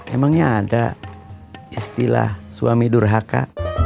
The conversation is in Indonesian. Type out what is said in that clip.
emangnya ada istilah suami durhaka